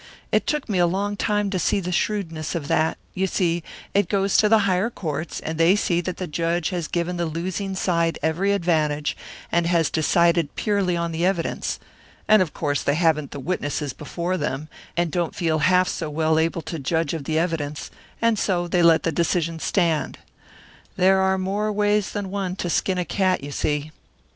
It took me a long time to see the shrewdness of that; you see, it goes to the higher courts, and they see that the judge has given the losing side every advantage, and has decided purely on the evidence. And of course they haven't the witnesses before them, and don't feel half so well able to judge of the evidence, and so they let the decision stand. There are more ways than one to skin a cat, you see!"